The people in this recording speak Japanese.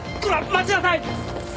待ちなさい！